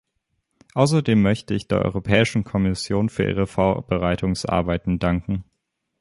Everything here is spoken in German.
Außerdem möchte ich der Europäischen Kommission für ihre Vorbereitungsarbeiten danken.